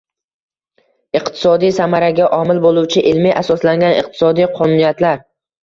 iqtisodiy samaraga omil bo‘luvchi ilmiy asoslangan iqtisodiy qonuniyatlar